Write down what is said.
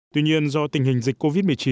tuy nhiên do tình hình dịch covid một mươi chín